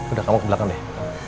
udah kamu ke belakang deh